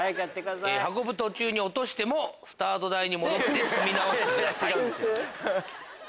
運ぶ途中に落としても台に戻って積み直してください。